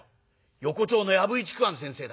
横町の藪井竹庵先生だ。